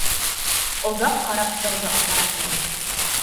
Оҙаҡ ҡарап торҙо аппаратына.